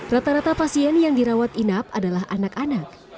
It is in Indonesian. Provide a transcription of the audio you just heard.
rata rata pasien yang dirawat inap adalah anak anak